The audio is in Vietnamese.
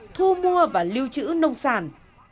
thu mua và lưu trữ nông sản